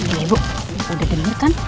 ibu udah denger kan